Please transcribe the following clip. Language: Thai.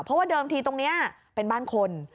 เพราะว่าเดิมทีตรงนี้เป็นบ้านคน